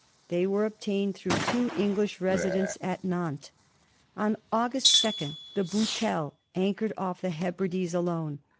They were obtained through two English residents at Nantes. On August 2d the £autelie anchored off the Hebrides alone.